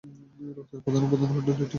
রক্তের প্রধান উপাদান দুইটি।